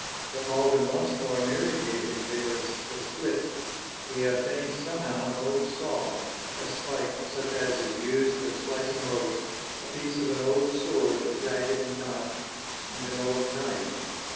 But Malden once more nearly gave his gaolers the slip. He obtained somehow an old saw, "a spike such as is used for splicing ropes, a piece of an old sword jagged and notched, and an old knife."